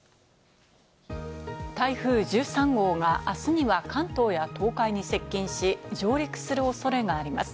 台風１３号が、あすには関東や東海に接近し、上陸するおそれがあります。